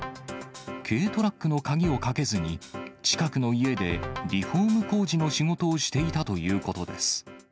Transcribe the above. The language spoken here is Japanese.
軽トラックの鍵をかけずに、近くの家でリフォーム工事の仕事をしていたということです。